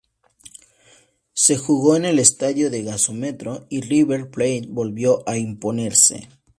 Se jugó en el estadio El Gasómetro y River Plate volvió a imponerse.